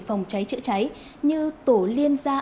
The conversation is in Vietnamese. phòng cháy chữa cháy như tổ liên gia